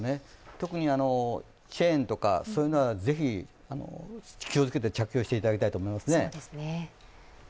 特にチェーンとかはぜひ気をつけて着用していただきたいと思いますね。